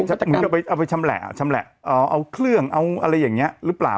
เหมือนกับเอาไปชำแหละชำแหละเอาเครื่องเอาอะไรอย่างนี้หรือเปล่า